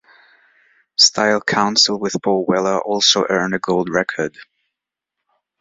Style Council with Paul Weller also earned a gold record.